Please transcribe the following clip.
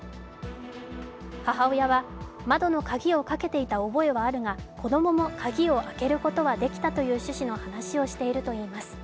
母親は、窓の鍵をかけていた覚えはあるが子供も鍵を開けることはできたという趣旨の話をしているといいます。